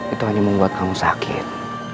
itu hanya membuat kamu sakit